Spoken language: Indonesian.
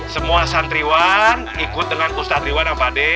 semua santriwan ikut dengan ustadz riwan